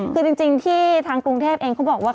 คือจริงที่ทางกรุงเทพเองเขาบอกว่า